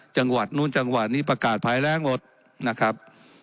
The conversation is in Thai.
จังหวัดนู้นจังหวัดนี้ประกาศภายแรงหมดนะครับ